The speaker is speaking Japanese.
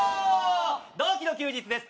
同期の休日です。